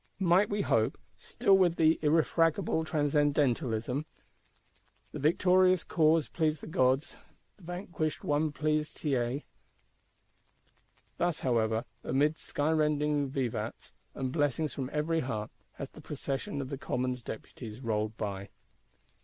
Might we hope, still with the old irrefragable transcendentalism? The victorious cause pleased the gods, the vanquished one pleased Sieyes (victa Catoni). Thus, however, amid skyrending vivats, and blessings from every heart, has the Procession of the Commons Deputies rolled by.